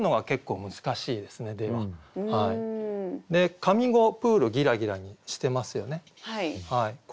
上五「プールぎらぎら」にしてますよね。